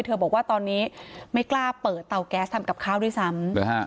บอกว่าตอนนี้ไม่กล้าเปิดเตาแก๊สทำกับข้าวด้วยซ้ำ